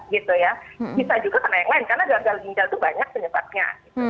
bisa juga kena yang lain karena gagal ginjal itu banyak penyebabnya